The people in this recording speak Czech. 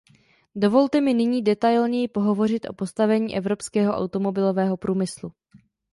Dovolte mi nyní detailněji pohovořit o postavení evropského automobilového průmyslu.